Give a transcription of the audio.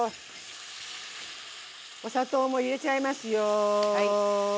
お砂糖も入れちゃいますよ。